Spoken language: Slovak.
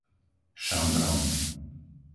Šambron